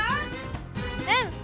うん！